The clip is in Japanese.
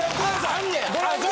あんねや？